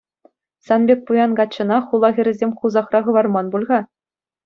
Сан пек пуян каччӑна хула хӗрӗсем хусахра хӑварман пуль-ха?